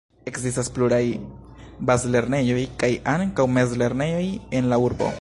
Ekzistas pluraj bazlernejoj kaj ankaŭ mezlernejoj en la urbo.